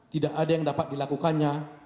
tidak ada yang dapat dilakukannya